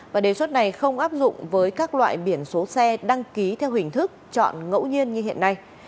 và đề xuất này không áp dụng với các loại biển số xe đăng ký theo hình thức chọn ngẫu nhiên như hiện nay